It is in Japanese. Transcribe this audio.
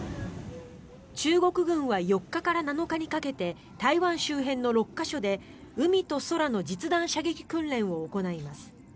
中国軍は４日から７日にかけて台湾周辺の６か所で海と空の実弾射撃訓練を行います。